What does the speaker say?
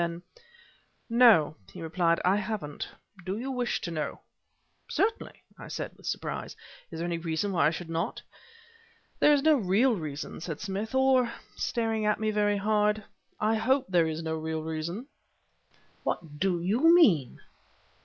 Then: "No," he replied; "I haven't. Do you wish to know?" "Certainly," I said with surprise; "is there any reason why I should not?" "There is no real reason," said Smith; "or" staring at me very hard "I hope there is no real reason." "What do you mean?"